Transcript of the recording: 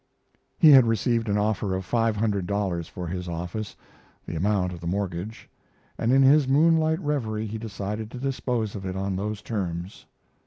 He had received an offer of five hundred dollars for his office the amount of the mortgage and in his moonlight reverie he decided to dispose of it on those terms.